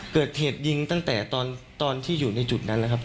เกิดเหตุยิงตั้งแต่ตอนที่อยู่ในจุดนั้นแล้วครับ